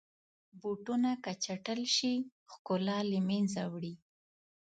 بوټونه که چټل شي، ښکلا له منځه وړي.